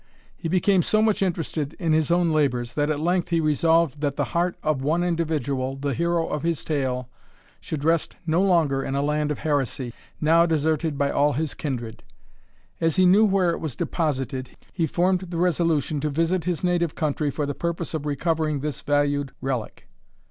He became so much interested in his own labours, that at length he resolved that the heart of one individual, the hero of his tale, should rest no longer in a land of heresy, now deserted by all his kindred. As he knew where it was deposited, he formed the resolution to visit his native country for the purpose of recovering this valued relic.